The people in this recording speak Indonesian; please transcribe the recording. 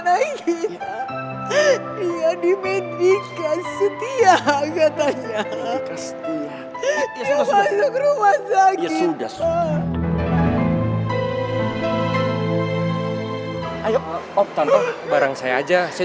roman menerahannya banyak banget